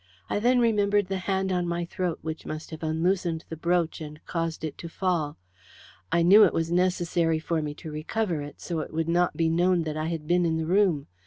I then remembered the hand on my throat, which must have unloosened the brooch and caused it to fall. I knew it was necessary for me to recover it so it would not be known that I had been in the room.